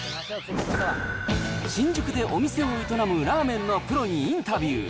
新宿でお店を営むラーメンのプロにインタビュー。